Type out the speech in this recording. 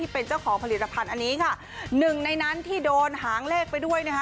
เป็นเจ้าของผลิตภัณฑ์อันนี้ค่ะหนึ่งในนั้นที่โดนหางเลขไปด้วยนะคะ